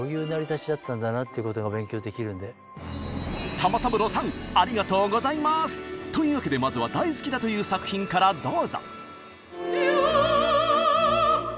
玉三郎さんありがとうございます！というわけでまずは大好きだという作品からどうぞ！